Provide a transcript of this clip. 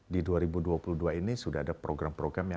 di dua ribu dua puluh dua ini sudah ada program program yang